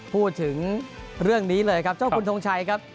พูดถึงเรื่องนี้เลยครับเจ้าคุณทงชัยครับ